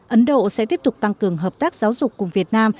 ấn độ sẽ tiếp tục tăng cường hợp tác giáo dục cùng việt nam